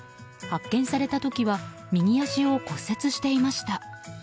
発見された時は右足を骨折していました。